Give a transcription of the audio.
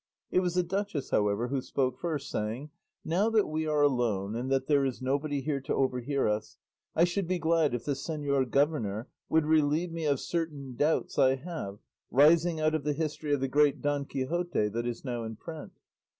It was the duchess, however, who spoke first, saying: "Now that we are alone, and that there is nobody here to overhear us, I should be glad if the señor governor would relieve me of certain doubts I have, rising out of the history of the great Don Quixote that is now in print.